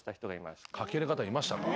欠ける方いましたか？